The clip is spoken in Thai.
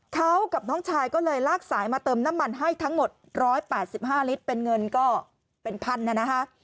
เขากับน้องชายก็เลยลากสายมาเติมน้ำมันให้ทั้งหมดร้อยแปดสิบห้าลิตรเป็นเงินก็เป็นพันธุ์น่ะนะฮะ